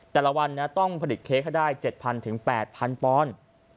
แต่ละวันต้องผลิตเค้กให้ได้๗๐๐๘๐๐ปอนด์